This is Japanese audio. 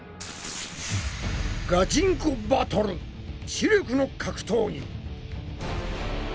ガチンコバトル知力の格闘技！